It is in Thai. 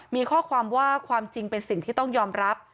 มีข้อความว่าความจริงเป็นสิ่งที่ต้องยอมรับ